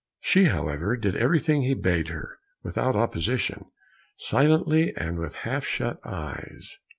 She, however, did everything he bade her, without opposition, silently and with half shut eyes.